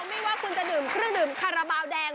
ไม่ว่าคุณจะดื่มเครื่องดื่มคาราบาลแดง